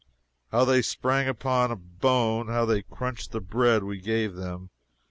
How they sprang upon a bone, how they crunched the bread we gave them!